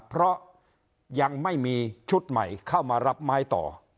เพราะยังไม่มีชุดใหม่เข้ามารับไม้ต่อ